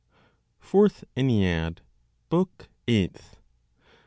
FOURTH ENNEAD, BOOK EIGHTH.